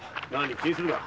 気にするな。